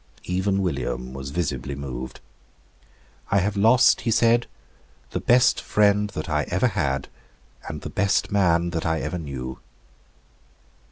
Even William was visibly moved. "I have lost," he said, "the best friend that I ever had, and the best man that I ever knew."